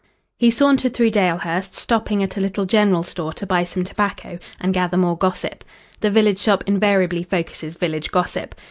He sauntered through Dalehurst, stopping at a little general store to buy some tobacco and gather more gossip. The village shop invariably focuses village gossip.